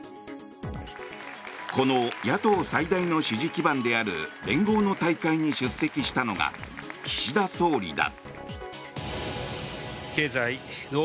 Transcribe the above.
この野党最大の支持基盤である連合の大会に出席したのが岸田総理だ。